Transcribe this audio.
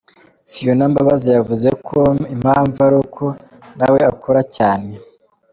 Phionah Mbabazi yavuze ko impamvu ari uko nawe akora cyane.